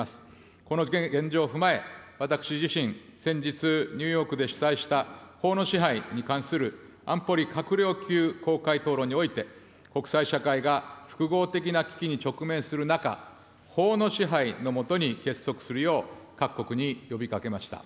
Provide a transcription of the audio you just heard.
この現状を踏まえ、私自身、先日ニューヨークで主催した法の支配に関する安保理閣僚級公開討論において、国際社会が複合的な危機に直面する中、法の支配の下に結束するよう各国に呼びかけました。